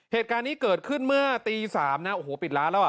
เหตุการณ์นี้เกิดขึ้นเมื่อตี๓นะโอ้โหปิดร้านแล้วอ่ะ